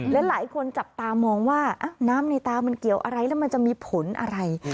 และหลายคนจับตามองว่าน้ำในตามันเกี่ยวอะไรแล้วมันจะมีผลอะไร